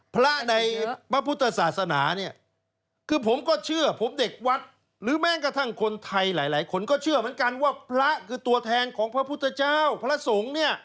คนไทยหลายคนก็เชื่อเหมือนกันว่าพระคือตัวแทนของพระพุทธเจ้าพระสงฆ์เนี่ย